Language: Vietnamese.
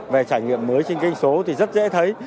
về trải nghiệm mới trên kênh số thì rất dễ thấy